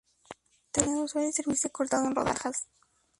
Tras su cocinado suele servirse cortado en rodajas.